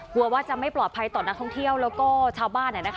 กลัวว่าจะไม่ปลอดภัยต่อนักท่องเที่ยวแล้วก็ชาวบ้าน